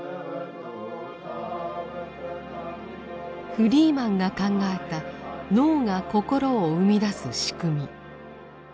フリーマンが考えた脳が心を生み出す仕組み。